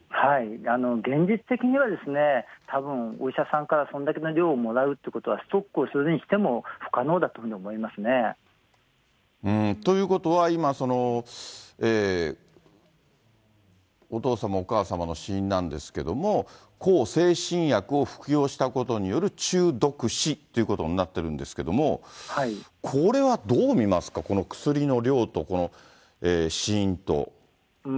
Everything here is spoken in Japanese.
現実的には、たぶんお医者さんからそれだけの量をもらうということは、ストックをするにしても不可能だというふうに思いますね。ということは今その、お父様、お母様の死因なんですけども、向精神薬を服用したことによる中毒死っていうことになってるんですけども、これはどう見ますか、この薬の量と、この死因と。